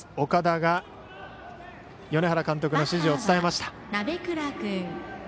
岡田が米原監督の指示を伝えました。